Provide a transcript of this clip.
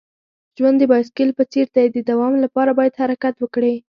ژوند د بایسکل په څیر دی. د دوام لپاره باید حرکت وکړې.